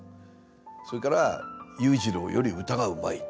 それから「裕次郎より歌がうまい」。